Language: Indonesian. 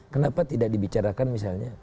kenapa tidak dibicarakan misalnya